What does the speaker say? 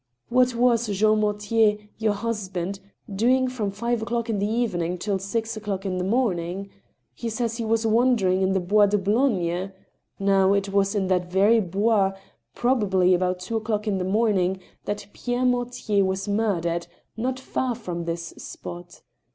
..• What was Jean Mortier, your husband, doing from five o'clock in the evening till six o'clock in the morning ? He says he was wandering in the Bois de Boulogne. Now, it was in that very Bois — probably about two o'clock in the morning — ^that Pierre Mortier was murdered, not far from this spot.